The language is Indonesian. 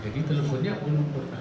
jadi teleponnya belum pernah